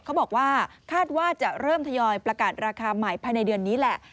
เขาบอกว่าคาดว่าจะเริ่มทยอยประกาศราคาใหม่ภายในเดือนนี้แหละ